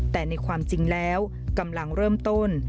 แต่ในความจริงแล้วกำลังเริ่มต้น